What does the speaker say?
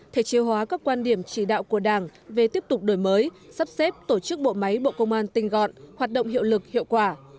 thể chế hóa các quan điểm chỉ đạo của đảng về tiếp tục đổi mới sắp xếp tổ chức bộ máy bộ công an tinh gọn hoạt động hiệu lực hiệu quả